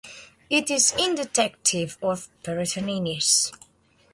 It is indicative of peritonitis.